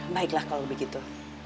baiklah kalau begitu